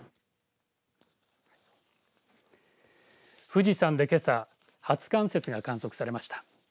富士山でけさ初冠雪が観測されました。